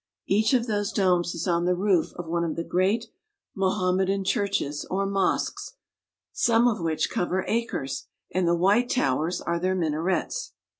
Each of those domes is on the roof of one of the great Mohammedan churches or mosques, some of which cover acres, and the white towers are their minarets.